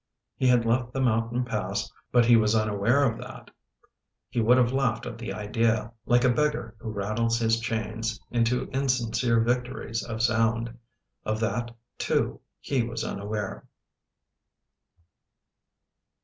He had left the mountain pass but he was unaware of that He would have laughed at the idea, like a beggar who rattles his chains into insincere victories of sound. Of that, too, he was unaware.